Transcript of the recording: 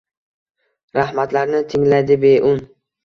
Rahmatlarni tinglaydi beun